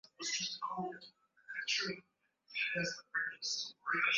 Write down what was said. walitakiwa kupambana dhidi ya mateso ya umoja wa mataifa